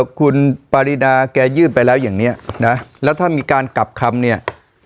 คุณปรินาแกยื่นไปแล้วอย่างนี้นะแล้วถ้ามีการกลับคำเนี่ย